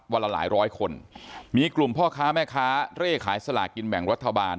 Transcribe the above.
ละหลายร้อยคนมีกลุ่มพ่อค้าแม่ค้าเร่ขายสลากินแบ่งรัฐบาล